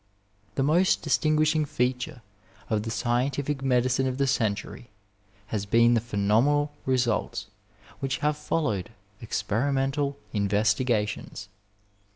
The most distinguishing feature of the scientific medicine of the century has been the phenomenal results which have followed experimerUal investigations.